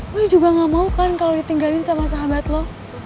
gue juga gak mau kan kalau ditinggalin sama sahabat lo